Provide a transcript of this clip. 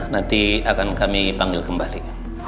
nanti akan kami panggil kembali